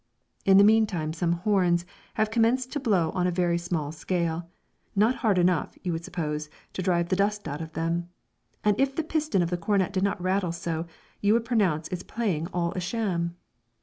In the meantime some horns have commenced to blow on a very small scale, not hard enough, you would suppose, to drive the dust out of them, and if the piston of the cornet did not rattle so, you would pronounce its playing all a sham.